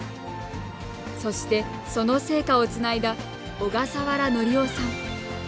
そして、その聖火をつないだ小笠原憲男さん。